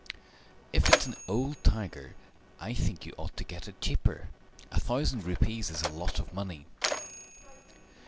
"If it's an old tiger I think you ought to get it cheaper. A thousand rupees is a lot of money."